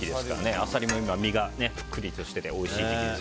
アサリも身がプリッとしてておいしい時期です。